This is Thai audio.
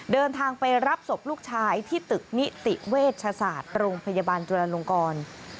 เดินทางไปรับศพลูกชายที่ตึกนิติเวชศาสตร์โรงพยาบาลจุลาลงกร